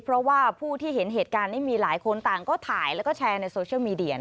เพราะว่าผู้ที่เห็นเหตุการณ์นี้มีหลายคนต่างก็ถ่ายแล้วก็แชร์ในโซเชียลมีเดีย